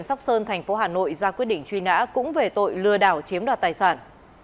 xin chào các bạn